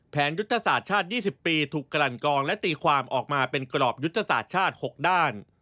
ยุทธศาสตร์ชาติ๒๐ปีถูกกลั่นกองและตีความออกมาเป็นกรอบยุทธศาสตร์ชาติ๖ด้าน